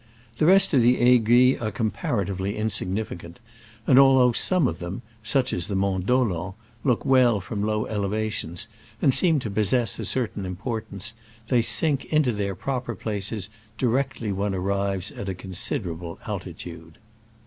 The rest of the ai guilles are comparatively insignificant; and although some of them (such as the Mont Dolent) look well from low eleva tions, and seem to possess a certain im portance, they sink into their proper places directly one arrives at a consid erable altitude.